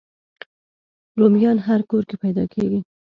رومیان هر کور کې پیدا کېږي